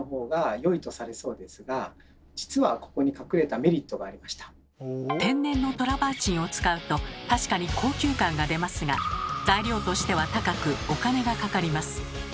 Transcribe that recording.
その表面には本来なら天然のトラバーチンを使うと確かに高級感が出ますが材料としては高くお金がかかります。